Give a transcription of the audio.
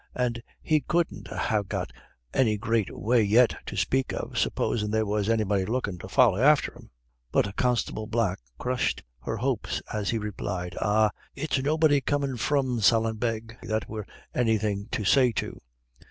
And he couldn't ha' got any great way yet to spake of, supposin' there was anybody lookin' to folly after him." But Constable Black crushed her hopes as he replied, "Ah, it's nobody comin' from Sallinbeg that we've anything to say to.